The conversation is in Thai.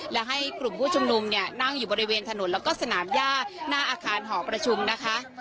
และให้กลุ่มผู้ชุมนุมเนี่ยนั่งอยู่บริเวณถนนแล้วก็สนามย่าหน้าอาคารหอประชุมนะคะ